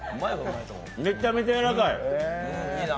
めちゃくちゃやわらかい！